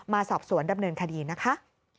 มาสอบสวนดำเนินคดีนะคะ